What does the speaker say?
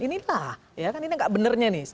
inilah ya kan ini nggak benarnya nih